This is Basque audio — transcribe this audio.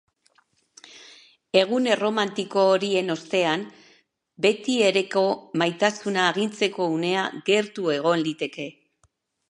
Egun erromantiko horien ostean, betiereko maitasuna agintzeko unea gertu egon liteke.